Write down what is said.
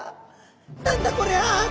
「何だ？こりゃ」って。